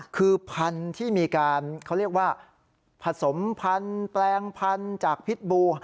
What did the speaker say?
คือพันธุ์ที่มีการเขาเรียกว่าผสมพันธุ์แปลงพันธุ์จากพิษบู